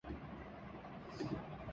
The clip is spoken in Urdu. جوہر سواد جلوۂ مژگان حور تھا